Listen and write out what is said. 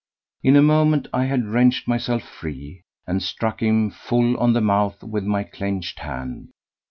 In a moment I had wrenched myself free, and struck him full on the mouth with my clenched hand.